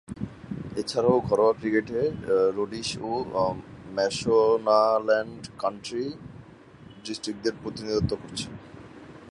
এছাড়াও ঘরোয়া ক্রিকেটে রোডেশিয়া ও ম্যাশোনাল্যান্ড কান্ট্রি ডিস্ট্রিক্টসের প্রতিনিধিত্ব করেছেন।